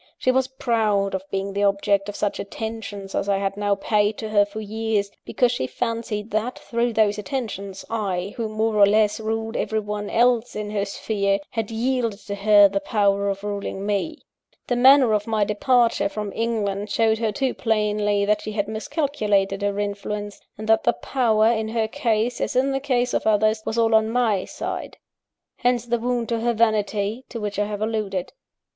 She was proud of being the object of such attentions as I had now paid to her for years, because she fancied that, through those attentions, I, who, more or less, ruled everyone else in her sphere, had yielded to her the power of ruling me. The manner of my departure from England showed her too plainly that she had miscalculated her influence, and that the power, in her case, as in the case of others, was all on my side. Hence the wound to her vanity, to which I have alluded.